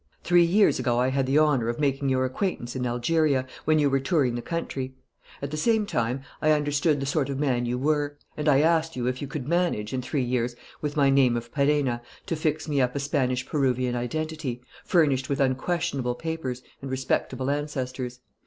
"Three years ago I had the honour of making your acquaintance in Algeria, when you were touring the country. At the same time, I understood the sort of man you were; and I asked you if you could manage, in three years, with my name of Perenna, to fix me up a Spanish Peruvian identity, furnished with unquestionable papers and respectable ancestors.